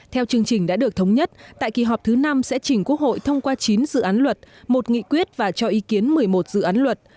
theo chương trình đã được thống nhất tại kỳ họp thứ năm sẽ chỉnh quốc hội thông qua chín dự án luật một nghị quyết và cho ý kiến một mươi một dự án luật